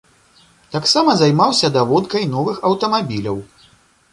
Таксама займаўся даводкай новых аўтамабіляў.